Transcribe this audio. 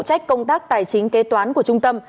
trách công tác tài chính kế toán của trung tâm